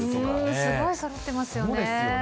すごいそろってますよね。